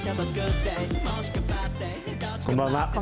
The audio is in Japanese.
こんばんは。